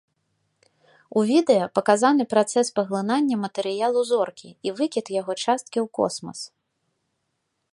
У відэа паказаны працэс паглынання матэрыялу зоркі і выкід яго часткі ў космас.